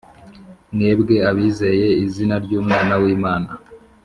mwebwe abizeye izina ry Umwana w Imana